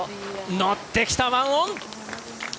乗ってきた１オン！